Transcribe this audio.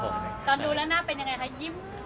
ตอนดูแล้วหน้าเป็นยังไงคะยิ้มแบบฟีนมั้ย